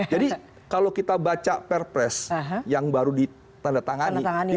jadi kalau kita baca perpres yang baru ditandatangani